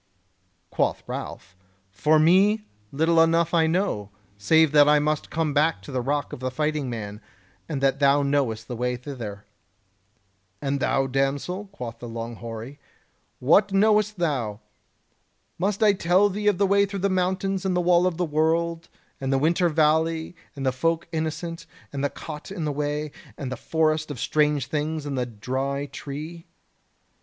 Quoth Ralph: "For me, little enough I know, save that I must come to the Rock of the Fighting Man, and that thou knowest the way thither." "And thou, damsel," quoth the long hoary, "what knowest thou? Must I tell thee of the way through the mountains and the Wall of the World, and the Winter Valley, and the Folk Innocent, and the Cot on the Way, and the Forest of Strange Things and the Dry Tree?"